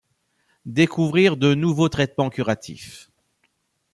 Découvrir de nouveaux traitements curatifs.